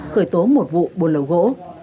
khởi tố một vụ buôn lậu gỗ